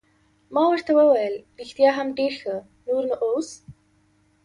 ما ورته وویل: رښتیا هم ډېر ښه، نور نو اوس.